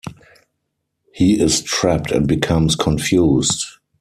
He is trapped and becomes confused.